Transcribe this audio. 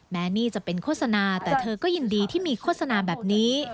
หนี้จะเป็นโฆษณาแต่เธอก็ยินดีที่มีโฆษณาแบบนี้